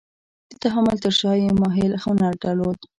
د تحمل تر شا یې محیل هنر درلود.